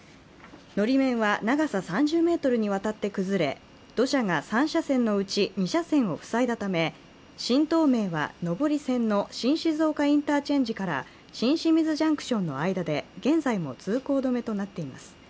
のり面は長さ３０ｍにわたって崩れ土砂が３車線のうち２車線を塞いだため新東名は上り線の新静岡インターチェンジから新清水ジャンクションの間で現在も通行止めとなっています。